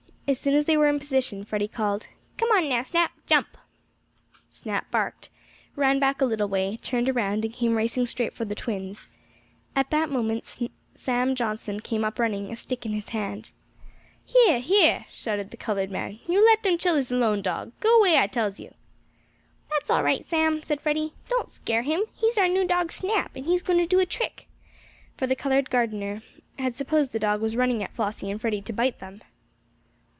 As soon as they were in position, Freddie called: "Come on now, Snap. Jump!" Snap barked, ran back a little way, turned around and came racing straight for the twins. At that moment Sam Johnson came up running, a stick in his hand. "Heah! heah!" shouted the colored man, "You let dem chillers alone, dog! Go 'way, I tells yo'!" "That's all right, Sam," said Freddie. "Don't scare him. He's our new dog Snap, and he's going to do a trick," for the colored gardener had supposed the dog was running at Flossie and Freddie to bite them.